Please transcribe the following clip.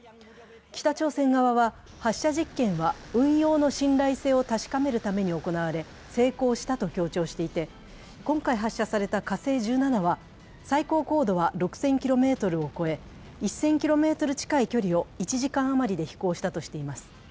北朝鮮側は発射実験は運用の信頼性を確かめるために行われ、成功したと強調していて、今回発射された火星１７は、最高高度は６０００ｋｍを超え、１０００ｋｍ近い距離を１時間余りで飛行したとしています。